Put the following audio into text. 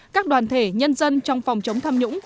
các đoàn thể nhân dân trong phòng chống tham nhũng